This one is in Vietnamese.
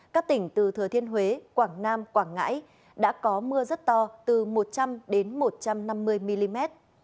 các tỉnh từ thừa thiên huế quảng nam quảng ngãi đã có mưa rất to từ một trăm linh một trăm năm mươi mm